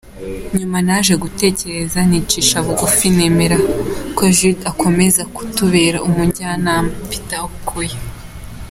Nyuma naje gutekereza, nicisha bugufi nemera ko Jude akomeza kutubera umujyanama – Peter Okoye.